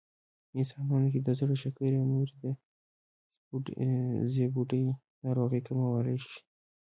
انسانانو کې د زړه، شکرې او نورې د زړبوډۍ ناروغۍ کمولی شي